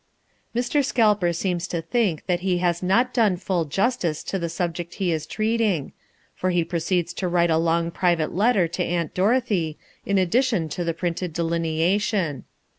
Mr. Scalper seems to think that he has not done full justice to the subject he is treating, for he proceeds to write a long private letter to Aunt Dorothea in addition to the printed delineation.